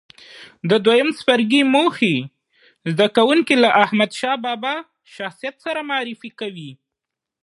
د دویم څپرکي موخې زده کوونکي له احمدشاه بابا شخصیت سره معرفي کوي.